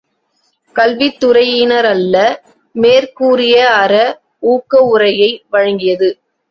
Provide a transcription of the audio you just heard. கல்வித் துறையினரல்ல, மேற் கூறிய அற, ஊக்க உரையை வழங்கியது.